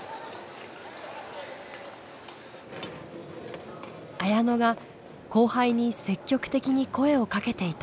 綾乃が後輩に積極的に声をかけていた。